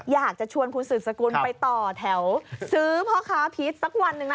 อยากจะชวนคุณสืบสกุลไปต่อแถวซื้อพ่อค้าพีชสักวันหนึ่งนะ